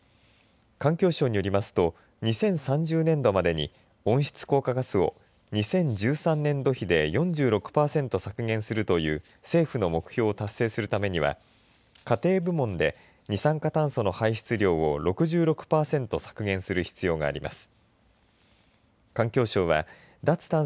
環境省によりますと２０３０年度までに温室効果ガスを２０１３年度比で４６パーセント削減するという政府の目標を達成するためには家庭部門で二酸化炭素の排出量を６６パーセント削減する必要があります。